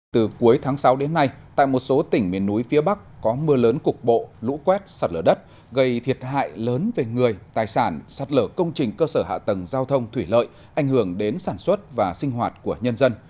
từ cuối tháng sáu đến nay tại một số tỉnh miền núi phía bắc có mưa lớn cục bộ lũ quét sạt lở đất gây thiệt hại lớn về người tài sản sạt lở công trình cơ sở hạ tầng giao thông thủy lợi ảnh hưởng đến sản xuất và sinh hoạt của nhân dân